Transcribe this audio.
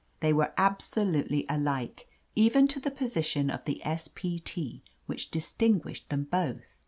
They were absolutely alike, even to the position of the S. P. T. which distinguished them both.